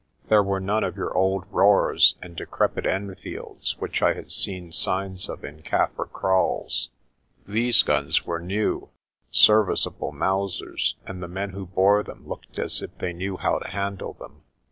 There were none of your old roers * and decrepit Enfields, which I had seen signs of in Kaffir kraals. These guns were new, serviceable Mausers, and the men who bore them looked as if they knew how to handle them.